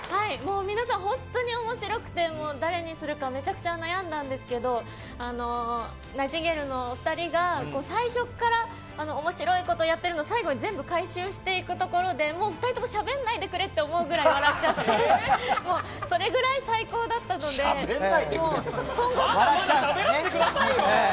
皆さん本当に面白くて誰にするかめちゃくちゃ迷いましたけどナイチンゲールのお二人が最初から面白いことやっているのを最後に全部回収していくところで２人ともしゃべらないでくれと思うぐらい笑っちゃったんでしゃべらせてくださいよ。